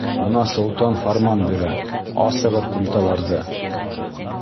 Бына солтан фарман бирә: «Асығыҙ ҡумталарҙы!»